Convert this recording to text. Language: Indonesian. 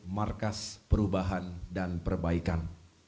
markas perubahan dan perbaikan